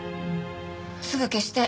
すぐ消して。